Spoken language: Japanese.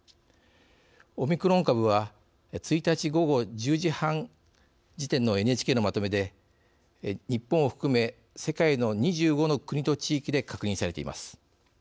オミクロン株は１日、午後１０時半時点のＮＨＫのまとめで日本を含め世界の２５の国と地域で確認されています。